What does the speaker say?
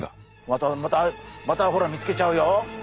またまたまたほら見つけちゃうよ。